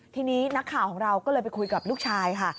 ทีนี้นักข่าวของเราก็เลยไปคุยกับลูกชายค่ะ